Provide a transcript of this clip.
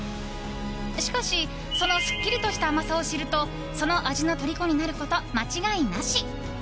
しかし、そのすっきりとした甘さを知るとその味のとりこになること間違いなし。